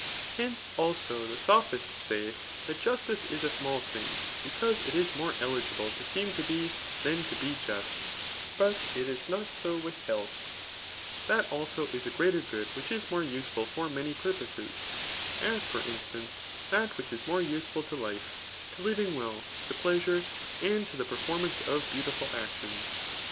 Hence, abo, [the sophists '3 ^ that justice is a small thing, because it is more eligible to seem to be than to be just; but it is not so with healtlu That, also, is a greater good which is more useful for many purposes ; as, for instance, that which is more use ful to life, to living well, to pleasure^ and to the perform ance of beautiful actions.